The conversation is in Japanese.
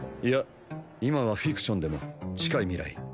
いや今はフィクションでも近い未来